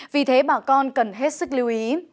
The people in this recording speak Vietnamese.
vì thế bà con cần hết sức lưu ý